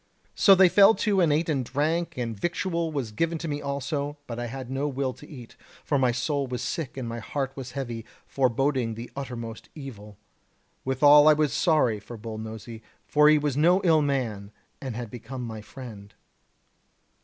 So they fell to and ate and drank, and victual was given to me also, but I had no will to eat, for my soul was sick and my heart was heavy, foreboding the uttermost evil. Withal I was sorry for Bull Nosy, for he was no ill man and had become my friend.